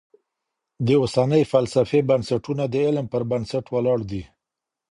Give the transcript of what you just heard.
د اوسنۍ فلسفې بنسټونه د علم پر بنسټ ولاړ دي.